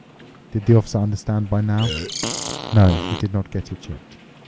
Did the Officer understand by now? No, he did not yet get it.